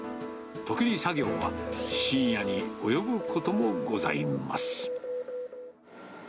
時に作業は深夜に及ぶこともございます。